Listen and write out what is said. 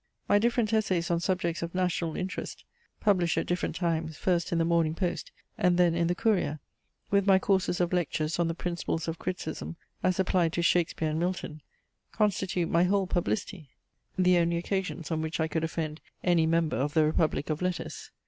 My different essays on subjects of national interest, published at different times, first in the Morning Post and then in the Courier, with my courses of Lectures on the principles of criticism as applied to Shakespeare and Milton, constitute my whole publicity; the only occasions on which I could offend any member of the republic of letters.